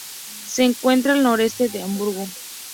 Se encuentra al noreste de Hamburgo.